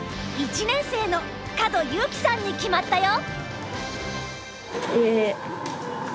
１年生の角優輝さんに決まったよ。